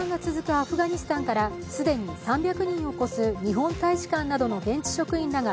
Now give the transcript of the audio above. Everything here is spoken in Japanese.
アフガニスタンから既に３００人を超す日本大使館などの現地職員らが